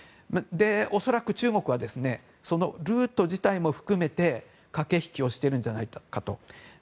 恐らく、中国はそのルート自体も含めて駆け引きをしてるんじゃないかと。